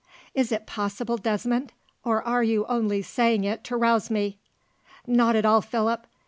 "Is it possible, Desmond, or are you only saying it to rouse me?" "Not at all, Philip.